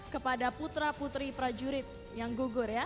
kepada putra putri prajurit yang gugur ya